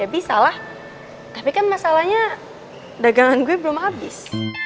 ya bisalah tapi kan masalahnya dagangan gue belum abis